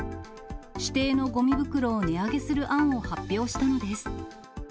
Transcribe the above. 指定のごみ袋を値上げする案を発表したのです。